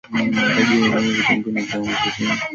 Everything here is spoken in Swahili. mahitaji ya vitunguu ni gram sitini